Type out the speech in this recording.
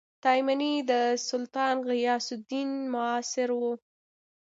تایمنى د سلطان غیاث الدین معاصر وو.